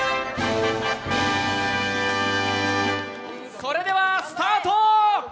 それでは、スタート！